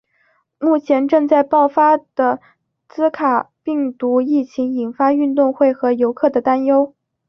目前正在爆发的兹卡病毒疫情引发运动员和游客的担忧。